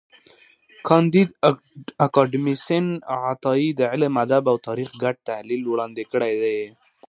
کانديد اکاډميسن عطایي د علم، ادب او تاریخ ګډ تحلیل وړاندي کړی دی.